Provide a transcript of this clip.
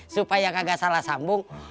supaya kagak salah sambung